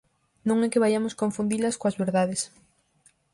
Non é que vaiamos confundilas coas verdades.